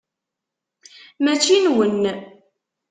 Mačči nwen.